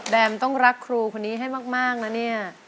ต้องรักครูคนนี้ให้มากนะเนี่ย